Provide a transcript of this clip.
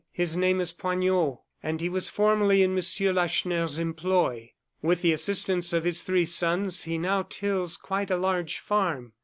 His name is Poignot; and he was formerly in Monsieur Lacheneur's employ. With the assistance of his three sons, he now tills quite a large farm.